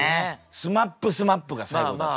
「ＳＭＡＰ×ＳＭＡＰ」が最後だと思うよ。